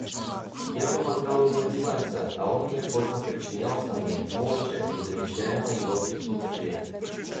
Я помогал ему одеваться, а он неохотно подчинялся мне, молча, не замечая моего присутствия.